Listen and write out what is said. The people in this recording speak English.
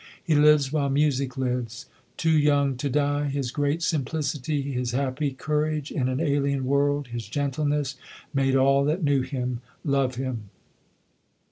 He lives while music lives. Too young to die His great simplicity, his happy courage In an alien world, His gentleness made all that knew him love him.